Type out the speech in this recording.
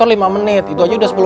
nah itu sepuluh menit baru pas